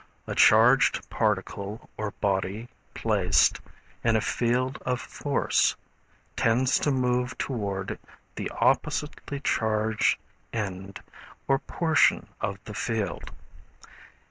A charged particle or body placed in a field of force tends to move toward the oppositely charged end or portion of the field.